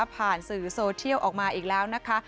ผ่านสื่อโซเทียลออกมาอีกแล้วนะคะ